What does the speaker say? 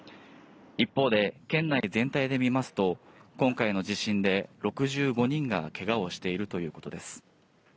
一方、県内全体で見ると今回の地震で６５人がけがをしているということです。